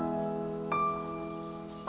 gak ada apa apa